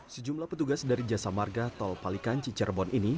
sejumlah petugas dari jasa marga tol palikanci cirebon ini